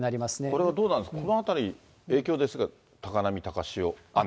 これはどうなんですか、この辺り影響出ますか、高波、高潮、雨。